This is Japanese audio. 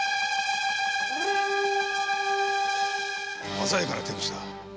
鮮やかな手口だ。